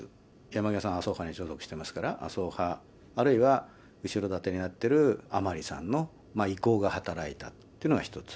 山際さん、麻生派に所属していますから、麻生派、あるいは後ろ盾になっている甘利さんの意向が働いたというのが１つ。